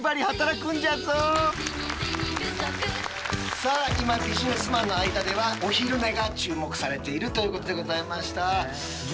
さあ今ビジネスマンの間ではお昼寝が注目されているということでございました。